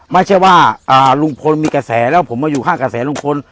ไม่ใช่ว่าลุงพลมีกระแสแล้วผมมาอยู่ข้างกระแสลุงพล